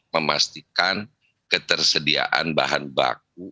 memastikan ketersediaan bahan baku